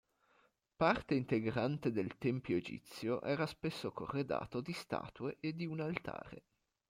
Parte integrante del tempio egizio era spesso corredato di statue e di un altare.